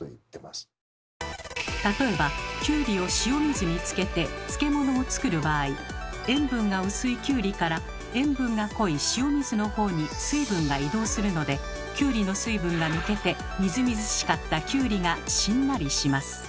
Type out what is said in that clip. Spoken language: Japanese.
例えばきゅうりを塩水に漬けて漬物を作る場合塩分が薄いきゅうりから塩分が濃い塩水の方に水分が移動するのできゅうりの水分が抜けてみずみずしかったきゅうりがしんなりします。